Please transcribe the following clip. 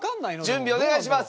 準備お願いします！